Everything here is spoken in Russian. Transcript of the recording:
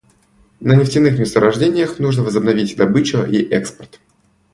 На нефтяных месторождениях нужно возобновлять добычу и экспорт.